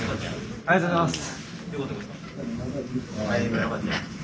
ありがとうございます。